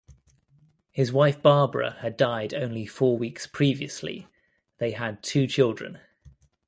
His wife Barbara had died only four weeks previously; they had two children.